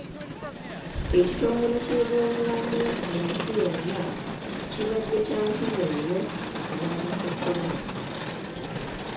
Ekitongole ky'ebyobulamu mu nsi yonna kibadde kya nkizo nnyo mu kulwanisa kolona.